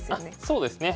そうですね。